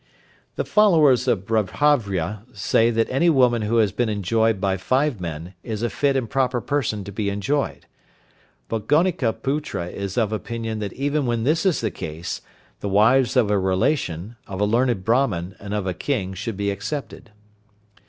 The followers of Babhravya say that any woman who has been enjoyed by five men is a fit and proper person to be enjoyed. But Gonikaputra is of opinion that even when this is the case, the wives of a relation, of a learned Brahman and of a king should be excepted.